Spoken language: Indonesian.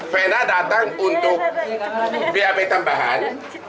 vena datang untuk bap tambahan